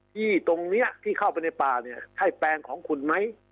ที่ตรงนี้ที่เข้าไปในป่าค่อยแปงของคุณไหม